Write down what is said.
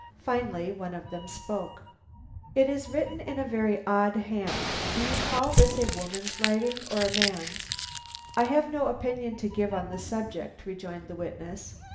Finally one of them spoke: "It is written in a very odd hand. Do you call this a woman's writing or a man's?" "I have no opinion to give on the subject," rejoined the witness.